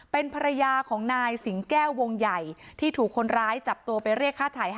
เป็นภรรยาของนายสิงแก้ววงใหญ่ที่ถูกคนร้ายจับตัวไปเรียกค่าถ่าย